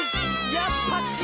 やっぱし。